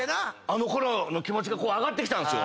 あのころの気持ちが上がってきた。